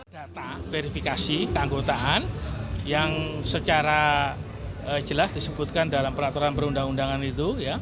data verifikasi keanggotaan yang secara jelas disebutkan dalam peraturan perundang undangan itu